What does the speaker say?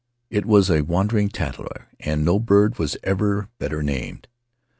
It was a wandering tattler, and no bird was ever better named.